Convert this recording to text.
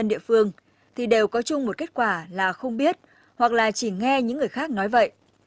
nhưng đều có chung một kết quả là không biết hoặc là chỉ nghe những người khác nói vậy